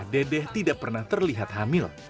dedeh tidak pernah terlihat hamil